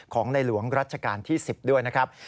ของในหลวงรัชกาลที่๑๐ด้วยนะครับ